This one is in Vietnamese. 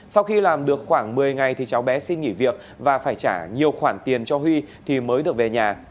sau khi làm được khoảng một mươi ngày thì cháu bé xin nghỉ việc và phải trả nhiều khoản tiền cho huy thì mới được về nhà